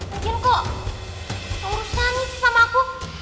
mungkin kok urusan sama aku